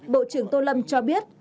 bộ trưởng tô lâm cho biết